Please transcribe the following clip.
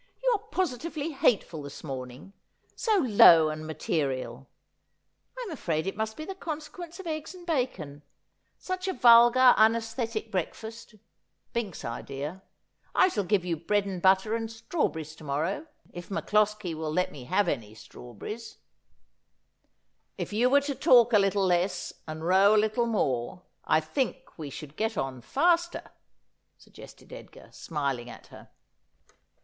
' You are positively hateful this morning— so low and material. I'm afraid it must be the consequence of eggs and bncon, such a vulgar una\sthetic breakfast — Bink's idea. [ shall pive yon bread and butter and strawberries to morrow, if MacCloskie will let me have any strawberries.' ^His Herte bathed in a Bath of Blisse.^ 83 ' If you were to talk a little less and row a little more, I think we should get on faster,' suggested Edgar, smiling at her.